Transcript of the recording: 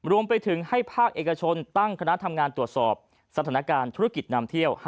รวมไปถึงให้ภาคเอกชนตั้งคณะทำงานตรวจสอบสถานการณ์ธุรกิจนำเที่ยว